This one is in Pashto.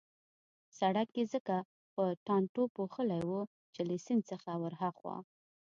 سړک يې ځکه په ټانټو پوښلی وو چې له سیند څخه ورهاخوا.